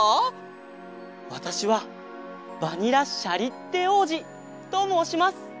わたしはバニラ・シャリッテおうじともうします。